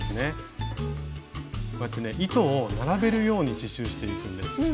こうやってね糸を並べるように刺しゅうしていくんです。